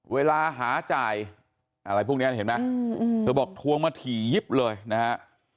เวลาหาจ่ายอะไรพวกนี้เห็นไหมเธอบอกทวงมาถี่ยิบเลยนะฮะ